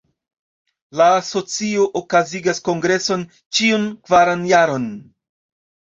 La Asocio okazigas kongreson ĉiun kvaran jaron.